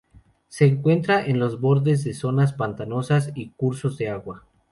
Se encuentra en los bordes de zonas pantanosas y cursos de agua.